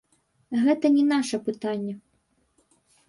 Гэта не наша пытанне.